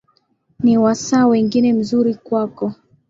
ni wasaa mwingine mzuri kwako